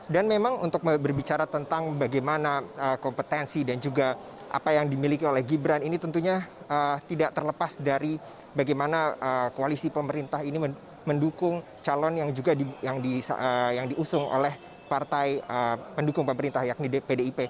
dan memang untuk berbicara tentang bagaimana kompetensi dan juga apa yang dimiliki oleh gibran ini tentunya tidak terlepas dari bagaimana koalisi pemerintah ini mendukung calon yang juga diusung oleh partai pendukung pemerintah yakni pdip